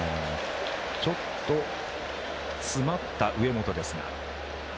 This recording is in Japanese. ちょっと詰まった上本ですが。